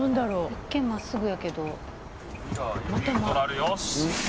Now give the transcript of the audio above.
一見真っすぐやけど。